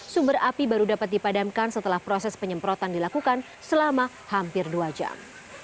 sumber api baru dapat dipadamkan setelah proses penyemprotan dilakukan selama hampir dua jam